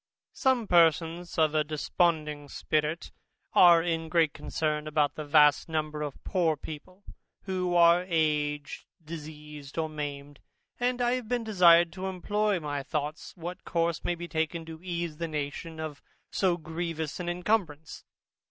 Some persons of a desponding spirit are in great concern about that vast number of poor people, who are aged, diseased, or maimed; and I have been desired to employ my thoughts what course may be taken, to ease the nation of so grievous an incumbrance.